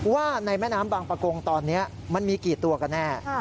ว่าในแม่น้ำบางประกงตอนนี้มันมีกี่ตัวกันแน่